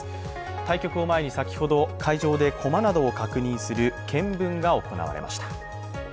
対局を前に先ほど会場で駒などを確認する検分が行われました。